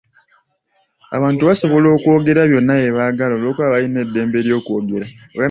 Abantu basobola okwogera byonna bye baagala olw'okuba balina eddembe ly'okwogera.